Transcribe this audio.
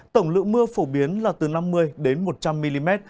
tổng lượng mưa phổ biến là từ năm mươi đến một trăm linh mm